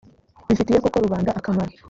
bifitiye koko rubanda akamaro